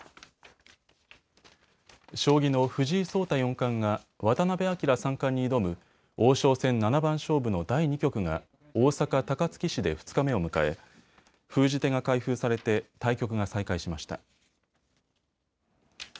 将棋の藤井聡太四冠が渡辺明三冠に挑む王将戦七番勝負の第２局が大阪高槻市で２日目を迎え封じ手が開封されて対局が再開しました。